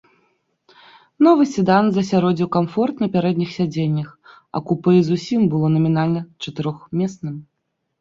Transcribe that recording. Новы седан засяродзіў камфорт на пярэдніх сядзеннях, а купэ і зусім было намінальна чатырохмесным.